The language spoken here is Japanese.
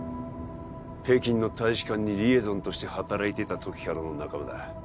北京の大使館にリエゾンとして働いていた時からの仲間だ